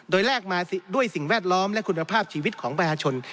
โดยแลกมาด้วยสิ่งแวดล้อมและคุณภาพชีวิตของประชาชน